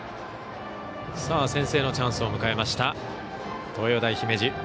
先制のチャンスを迎えました東洋大姫路。